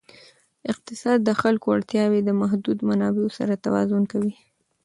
اقتصاد د خلکو اړتیاوې د محدودو منابعو سره توازن کوي.